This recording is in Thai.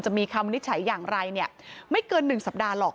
จะมีคำวินิจฉัยอย่างไรเนี่ยไม่เกิน๑สัปดาห์หรอก